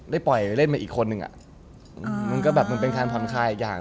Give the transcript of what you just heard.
ได้ปล่อยเล่นไปอีกคนหนึ่งอะมันก็แบบเป็นความพร้อมค่าอีกอย่าง